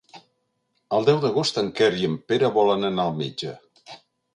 El deu d'agost en Quer i en Pere volen anar al metge.